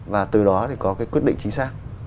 và từ đó thì có cái quyết định chính xác